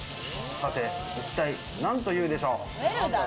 さて一体何と言うでしょう？